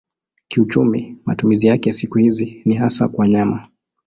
Kiuchumi matumizi yake siku hizi ni hasa kwa nyama.